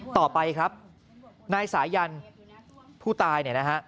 ต่อไปครับนายสายันผู้ตาย